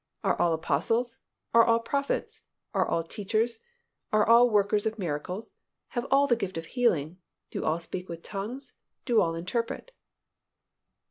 Are all apostles? Are all prophets? Are all teachers? Are all workers of miracles? Have all the gift of healing? Do all speak with tongues? Do all interpret?"